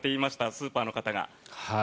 スーパーの方が。